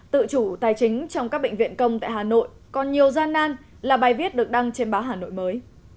tự chủ tài chính trong các bệnh viện công tại hà nội còn nhiều gian nan là bài viết được đăng trên báo hà nội mới